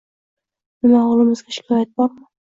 Nima, o‘g‘limizga shikoyat bormi?